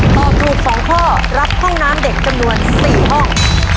ตอบถูก๒ข้อรับห้องน้ำเด็กจำนวน๔ห้อง